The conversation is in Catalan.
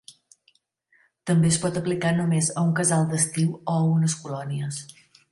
També es pot aplicar només a un casal d'estiu o unes colònies.